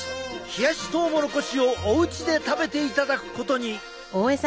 冷やしトウモロコシをおうちで食べていただくことに。